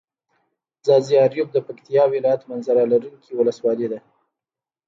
ځاځي اريوب د پکتيا ولايت منظره لرونکي ولسوالي ده.